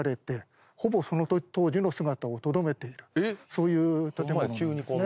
そういう建物なんですね。